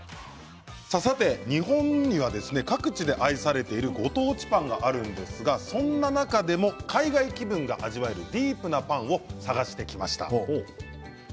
さて日本には各地で愛されているご当地パンがあるんですがそんな中でも海外気分が味わえるディープなパンを探してきました。